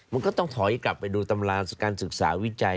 มันก็ต้องถอยกลับไปดูตำราญการศึกษาวิจัย